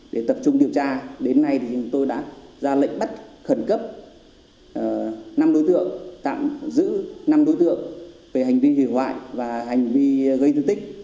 để tập trung điều tra đến nay thì chúng tôi đã ra lệnh bắt khẩn cấp năm đối tượng tạm giữ năm đối tượng về hành vi hủy hoại và hành vi gây thương tích